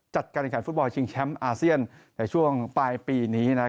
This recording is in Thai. จัดการแข่งขันฟุตบอลชิงแชมป์อาเซียนในช่วงปลายปีนี้